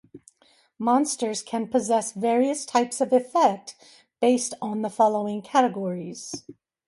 Monsters can possess various types of effect based on the following categories.